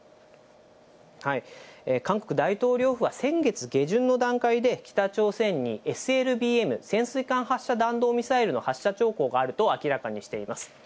韓国大統領府は先月下旬の段階で、北朝鮮にＳＬＢＭ・潜水艦発射弾道ミサイルの発射兆候があると明らかにしています。